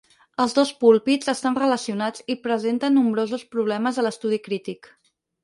Els dos púlpits estan relacionats i presenten nombrosos problemes a l'estudi crític.